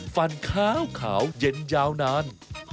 ฟันขาวเย็นยาวนาน